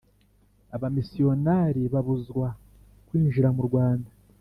abamisiyonari babuzwa kwinjira mu Rwanda